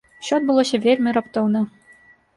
Усё адбылося вельмі раптоўна.